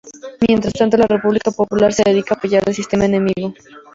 Mientras tanto la República popular se dedica a apoyar al sistema enemigo.